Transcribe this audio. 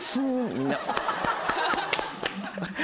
みんな。